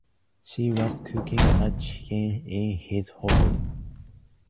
She was cooking a chicken in his honour.